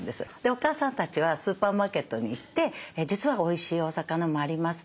お母さんたちはスーパーマーケットに行って実はおいしいお魚もあります。